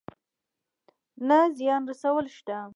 نه زيان رسول شته.